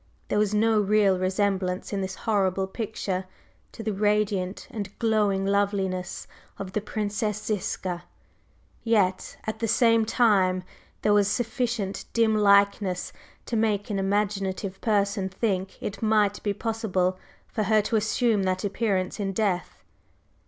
There was no real resemblance in this horrible picture to the radiant and glowing loveliness of the Princess Ziska, yet, at the same time, there was sufficient dim likeness to make an imaginative person think it might be possible for her to assume that appearance in death.